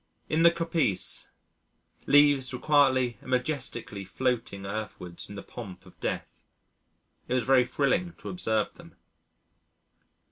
In the coppice, leaves were quietly and majestically floating earthwards in the pomp of death. It was very thrilling to observe them.